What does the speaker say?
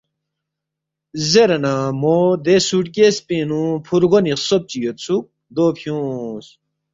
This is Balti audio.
زیرے نہ مو دے سُوٹ کیس پِنگ نُو فُورگونی خسوب چی یودسُوک، دو فیُونگس